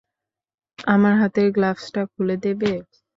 আমার হাতের গ্লাভসটা খুলে দেবে?